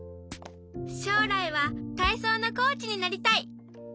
しょうらいはたいそうのコーチになりたい！